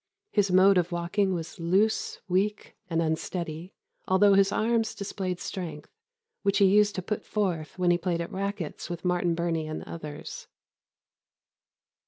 His mode of walking was loose, weak, and unsteady, although his arms displayed strength, which he used to put forth when he played at racquets with Martin Burney and others."